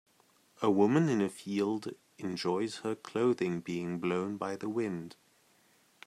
A woman in a field enjoys her clothing being blown by the wind.